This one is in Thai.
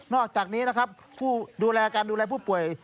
อกจากนี้นะครับผู้ดูแลการดูแลผู้ป่วย